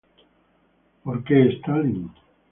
Why Stalin?